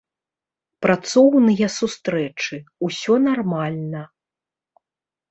Працоўныя сустрэчы, усё нармальна.